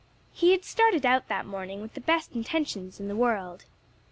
He had started out that morning with the best intentions in the world.